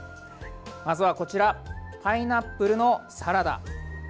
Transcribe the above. まずはこちらパイナップルのサラダ。